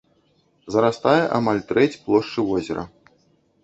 Зарастае амаль трэць плошчы возера.